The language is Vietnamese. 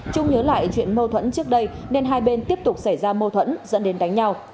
trung nhớ lại chuyện mâu thuẫn trước đây nên hai bên tiếp tục xảy ra mâu thuẫn dẫn đến đánh nhau